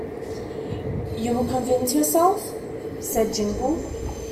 ‘You will convince yourself?’ said Jingle.